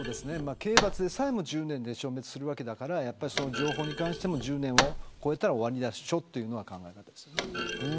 刑罰さえも１０年で消滅するから情報に関しても１０年を超えたら終わりでしょという考えです。